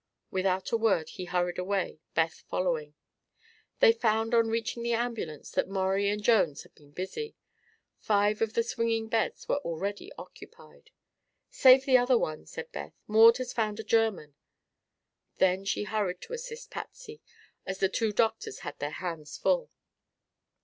Without a word he hurried away, Beth following. They found, on reaching the ambulance, that Maurie and Jones had been busy. Five of the swinging beds were already occupied. "Save the other one," said Beth. "Maud has found a German." Then she hurried to assist Patsy, as the two doctors had their hands full.